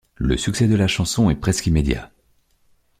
Le succès de la chanson est presque immédiat.